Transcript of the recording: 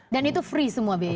dan itu free semua biaya ya